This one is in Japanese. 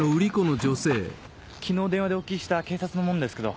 昨日電話でお聞きした警察の者ですけど。